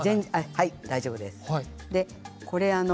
はい、大丈夫です。